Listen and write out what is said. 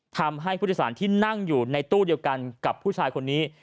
ทำให้ผู้โดยสารที่นั่งอยู่ในตู้เดียวกันกับผู้ชายคนนี้